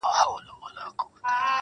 د چا د زړه ازار يې په څو واره دی اخيستی~